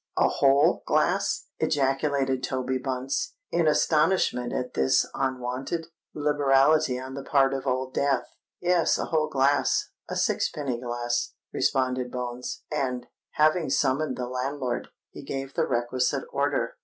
a whole glass?" ejaculated Toby Bunce, in astonishment at this unwonted liberality on the part of Old Death. "Yes—a whole glass—a sixpenny glass," responded Bones; and, having summoned the landlord, he gave the requisite order.